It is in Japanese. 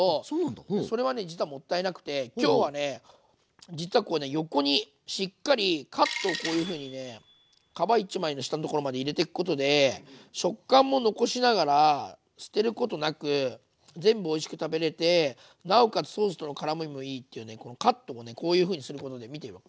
それは実はもったいなくて今日は実はこう横にしっかりカットをこういうふうに皮一枚の下のところまで入れていくことで食感も残しながら捨てることなく全部おいしく食べれてなおかつソースとのからみもいいっていうねこのカットをこういうふうにすることで見てよ。